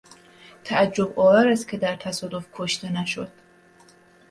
تعجبآور است که در تصادف کشته نشد.